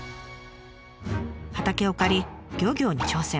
畑を借り漁業に挑戦。